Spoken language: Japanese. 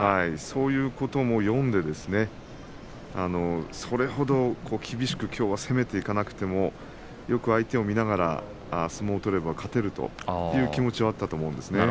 そういうことも読んでそれほど厳しくきょうは攻めていかなくてもよく相手を見ながら相撲を取れば勝てるという気持ちはあったと思います。